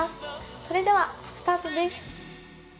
それではスタートです。